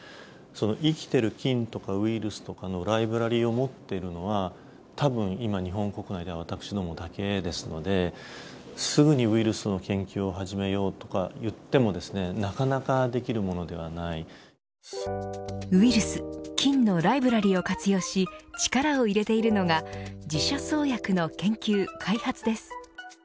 生きている菌とかウイルスとかのライブラリーを持っているのはたぶん今、日本国内では私どもだけですのですぐにウイルスの研究を始めようとか言ってもウイルス、菌のライブラリーを活用し力を入れているのが自社創薬の研究、開発です。